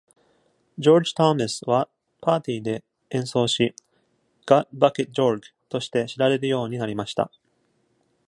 George Thomas はパーティーで演奏し、「Gut Bucket Georg」として知られるようになりました。